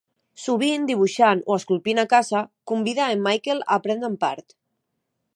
Sovint dibuixant o esculpint a casa, convida a en Michael a prendre'n part.